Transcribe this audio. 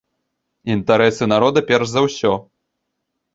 Інтарэсы народа перш за ўсё!